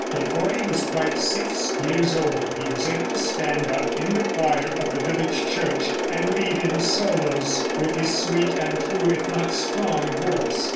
Before he was quite six years old he was able to stand up in the choir of the village church and lead in solos, with his sweet and true, if not strong, voice.